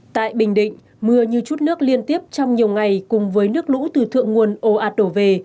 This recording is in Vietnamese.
tại bình định mưa như chút nước liên tiếp trong nhiều ngày cùng với nước lũ từ thượng nguồn ồ ạt đổ về